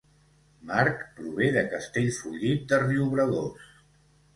Marc prové de Castellfollit de Riubregós